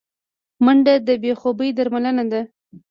منډه د بې خوبي درملنه ده